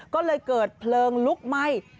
ก็เลยเกิดเพลิงลุกไหม้